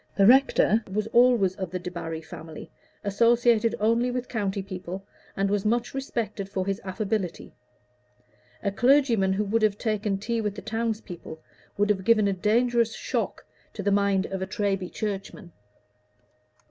The rector was always of the Debarry family, associated only with county people, and was much respected for his affability; a clergyman who would have taken tea with the townspeople would have given a dangerous shock to the mind of a Treby churchman.